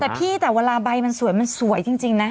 แต่พี่แต่เวลาใบมันสวยมันสวยจริงนะ